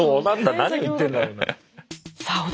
何を言ってんだろうな。